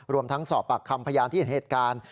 รวมทั้งสอบปากคำพยานที่เห็นเหตุการณ์